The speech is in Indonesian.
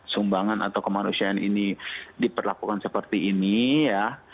sumbangan atau kemanusiaan ini diperlakukan seperti ini ya